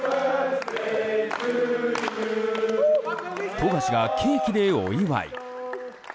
富樫がケーキでお祝い。